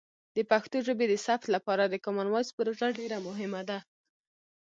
د پښتو ژبې د ثبت لپاره د کامن وایس پروژه ډیر مهمه ده.